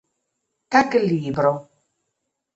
taglibro